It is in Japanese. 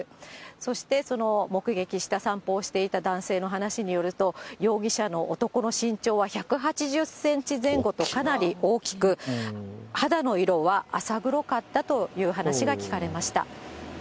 そして、その目撃した、散歩をしていた男性の話によると、容疑者の男の身長は１８０センチ前後とかなり大きく、肌の色は浅黒かったという話が聞かれました。